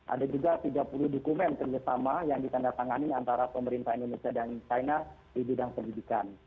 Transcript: ada juga tiga puluh dokumen kerjasama yang ditandatangani antara pemerintah indonesia dan china di bidang pendidikan